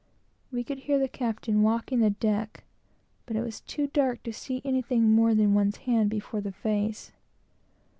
We could hear the captain walking the deck, but it was too dark to see anything more than one's hand before the face.